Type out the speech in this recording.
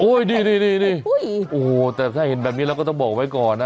นี่โอ้โหแต่ถ้าเห็นแบบนี้เราก็ต้องบอกไว้ก่อนนะ